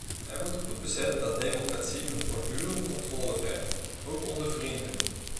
Wij moeten goed beseffen dat democratie een voortdurende controle vergt, ook onder vrienden.